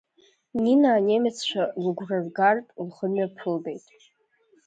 Нина анемеццәа лыгәра ргартә лхы мҩаԥылгеит.